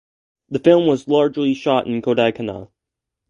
The film was largely shot in Kodaikanal.